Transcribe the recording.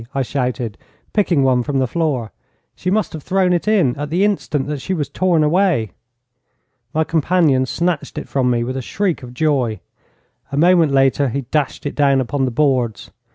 I shouted, picking one from the floor. 'She must have thrown it in at the instant that she was torn away.' My companion snatched it from me with a shriek of joy. A moment later he dashed it down upon the boards.